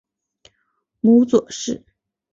母左氏。